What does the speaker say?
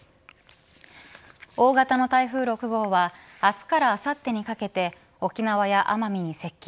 大型の台風６号は明日からあさってにかけて沖縄や奄美に接近。